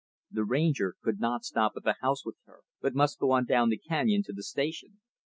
The Ranger could not stop at the house with her, but must go on down the canyon, to the Station.